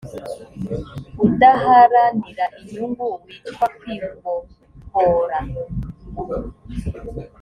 udaharanira inyungu witwa kwibohora